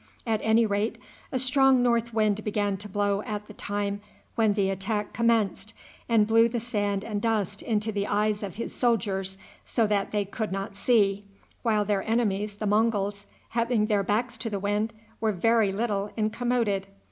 At any rate, a strong north wind began to blow at the time when the attack commenced, and blew the sand and dust into the eyes of his soldiers so that they could not see, while their enemies the Monguls, having their backs to the wind, were very little incommoded.